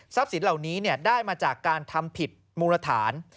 สินเหล่านี้ได้มาจากการทำผิดมูลฐาน